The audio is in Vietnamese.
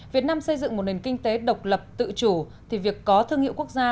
việt nam xây dựng một nền kinh tế độc lập tự chủ thì việc có thương hiệu quốc gia